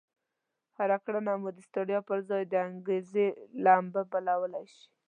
هره کړنه مو د ستړيا پر ځای د انګېزې لمبه بلولای شي.